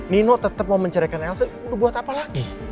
nino tetap mau mencerahkan elton lu buat apa lagi